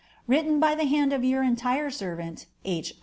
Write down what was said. Written by the hand of your entire Servant, H.